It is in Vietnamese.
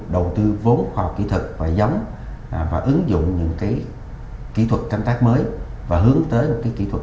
đầu tư vốn khoa học kỹ thuật và giống và ứng dụng những kỹ thuật canh tác mới và hướng tới kỹ thuật